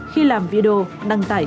khi làm video đăng tải